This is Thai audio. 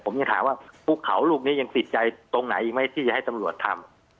ผมจะถามว่าพวกเขาลูกนี้ยังติดใจตรงไหนอีกไหมที่จะให้ตำรวจทำ